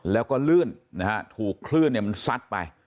แล้วก็ลื่นนะฮะถูกคลื่นเนี่ยมันซัดไป